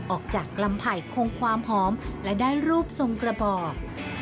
ออกจากลำไผ่คงความหอมและได้รูปทรงกระบอก